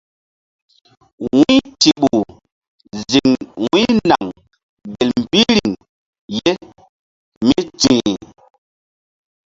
Wu̧y Tiɓu ziŋ Wu̧ynaŋ gel mbí riŋ ye mí ti̧h.